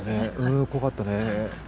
怖かったね。